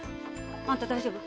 あんた大丈夫？